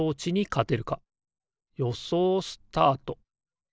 よそうスタート。